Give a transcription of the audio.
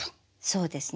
そうですね。